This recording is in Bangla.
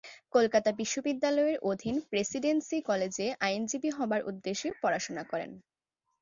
কলকাতা বিশ্ববিদ্যালয়ের অধীন প্রেসিডেন্সি কলেজে আইনজীবী হবার উদ্দেশ্যে পড়াশোনা করেন।